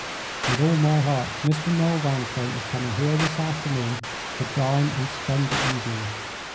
"With all my heart. Mr. Noel Vanstone is coming here this afternoon to dine and spend the evening.